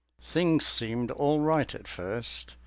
Things seemed all light at first.